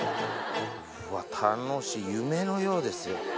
うわっ楽しい夢のようですよ。